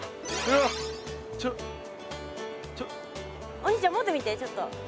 お兄ちゃん持ってみてちょっと。